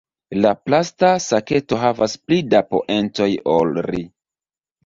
La plasta saketo havas pli da poentoj ol ri.